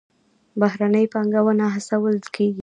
بهرنۍ پانګونه هڅول کیږي